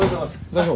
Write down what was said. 代表。